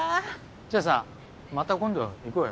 じゃあさまた今度行こうよ。